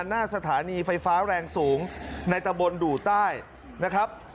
หน้าสถานีไฟฟ้าแรงสูงในตะบลดูต้าย